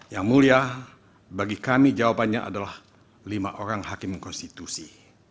yang mulia bagi kami jawabannya adalah lima orang hakim konstitusi